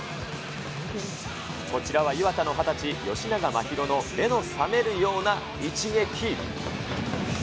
こちらは磐田の２０歳、吉長真優の目の覚めるような一撃。